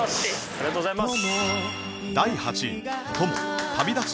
ありがとうございます。